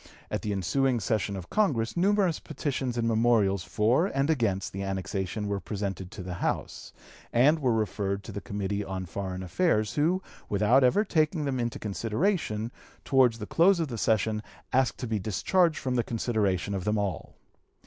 At the ensuing session of Congress numerous petitions and memorials for and against the annexation were presented to the House, ... and were referred to the Committee of Foreign Affairs, who, without ever taking them into consideration, towards the close of the session asked to be discharged from the consideration of them all.